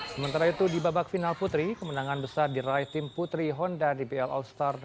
sementara itu di babak final putri kemenangan besar diraih tim putri honda dbl all star